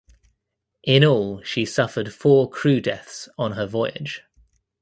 In all she suffered four crew deaths on her voyage.